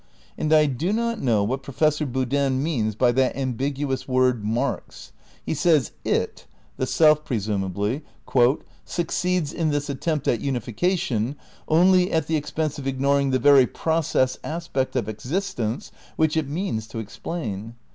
And I do not know what Professor Boodin means by that ambiguous word ''marks." He says "It" (the self, presumably) "succeeds in this attempt at unification only at the expense of ignoring the very process aspect of existence which it means to explain.